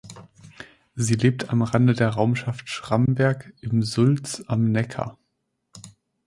Sie lebt am Rande der Raumschaft Schramberg in Sulz am Neckar.